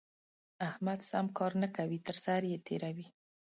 احمد سم کار نه کوي؛ تر سر يې تېروي.